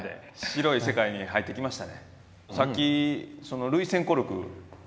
白い世界に入ってきましたね。